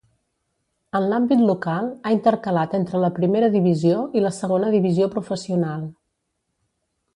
En l'àmbit local, ha intercalat entre la Primera Divisió i la Segona Divisió Professional.